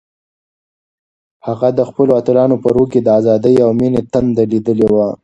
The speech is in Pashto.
هغه د خپلو اتلانو په روح کې د ازادۍ او مینې تنده لیدلې وه.